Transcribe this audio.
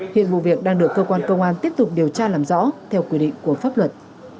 hiện vụ việc đang được cơ quan công an tiếp tục điều tra làm rõ theo quy định của pháp luật